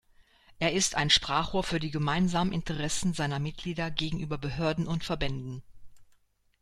Er ist Sprachrohr für die gemeinsamen Interessen seiner Mitglieder gegenüber Behörden und Verbänden.